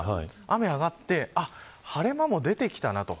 雨が上がって晴れ間も出てきたなと。